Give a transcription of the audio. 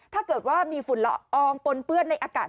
ถ้าเกิดว่ามีฝุ่นละอองปนเปื้อนในอากาศ